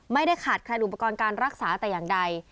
ไม่ได้ขาดแคลนอุปกรณ์การรักษาแต่อย่างใด